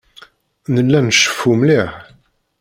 Nella nceffu mliḥ.